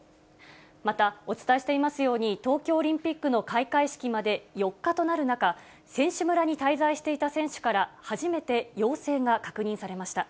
また、お伝えしていますように、東京オリンピックの開会式まで４日となる中、選手村に滞在していた選手から初めて陽性が確認されました。